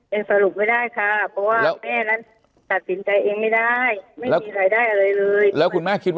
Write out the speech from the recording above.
เป็นสรุปไม่ได้ค่ะเพราะว่าแม่นั้นตัดสินใจเองไม่ได้ไม่มีใครได้อะไรเลย